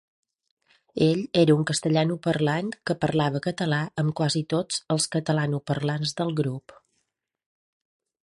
Ell era un castellanoparlant que parlava català amb quasi tots els catalanoparlants del grup.